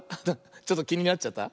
ちょっときになっちゃった？